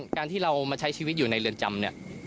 การที่เรามาใช้ชีวิตอยู่ในเรือนจำเนี่ย